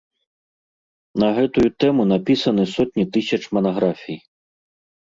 На гэтую тэму напісаны сотні тысяч манаграфій.